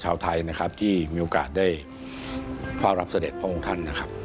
ชาวไทยนะครับที่มีโอกาสได้เฝ้ารับเสด็จพระองค์ท่านนะครับ